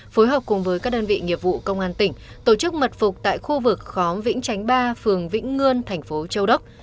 phối hợp cùng với các đơn vị nghiệp vụ công an tỉnh tổ chức mật phục tại khu vực khóm vĩnh tránh ba phường vĩnh ngươn tp châu đốc